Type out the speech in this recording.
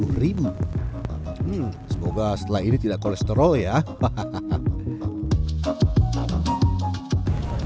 hmm semoga setelah ini tidak kolesterol ya hahaha